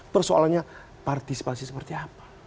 persoalannya partisipasi seperti apa